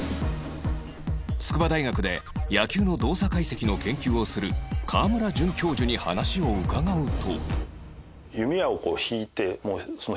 筑波大学で野球の動作解析の研究をする川村准教授に話を伺うと